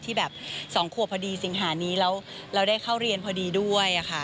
ที่แบบ๒ขวบพอดีสิงหานี้แล้วเราได้เข้าเรียนพอดีด้วยค่ะ